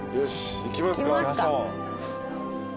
行きますか。